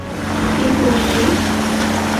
কিন্তু– শ্রীশ।